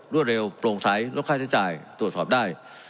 เร็วโปร่งใสลดค่าใช้จ่ายตรวจสอบได้